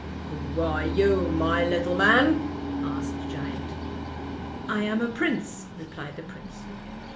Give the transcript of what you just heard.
"Who are you, my little man?' ; asked the giant. " I am a prince," replied the prince.